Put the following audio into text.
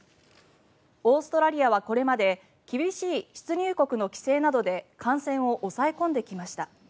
オーストラリアはこれまで厳しい出入国の規制などで感染を抑え込んできました。